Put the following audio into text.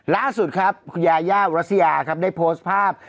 ล่าสุดครับคุณยาย่าวรัสยาครับได้โพสต์ภาพ